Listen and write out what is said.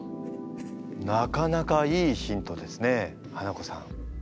なかなかいいヒントですねハナコさん。